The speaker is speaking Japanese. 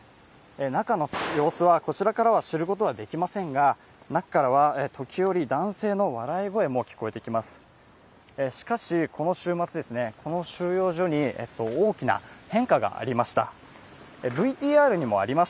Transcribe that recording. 中の様子はこちらからは知ることができませんが、中からは時折男性の笑い声も聞こえてきます。